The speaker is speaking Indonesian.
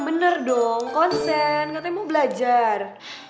bener dong konsen katanya mau belajar